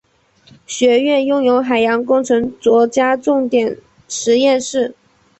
学院拥有海洋工程国家重点实验室。